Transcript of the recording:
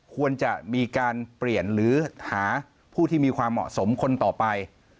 ควรจะมีการเปลี่ยนหรือหาผู้ที่มีความเหมาะสมคนต่อไป